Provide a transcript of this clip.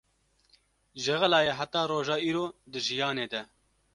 Ji xelayê heta roja îro di jiyanê de